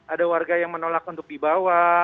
ada warga yang menolak untuk dibawa